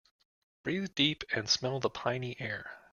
Breathe deep and smell the piny air.